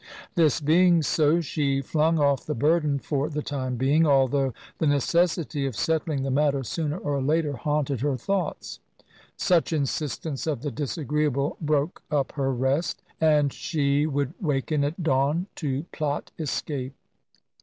This being so, she flung off the burden for the time being, although the necessity of settling the matter, sooner or later, haunted her thoughts. Such insistence of the disagreeable broke up her rest, and she would waken at dawn, to plot escape.